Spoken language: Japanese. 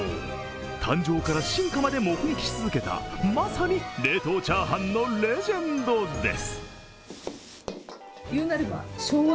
誕生から進化まで目撃し続けたまさに冷凍チャーハンのレジェンドです。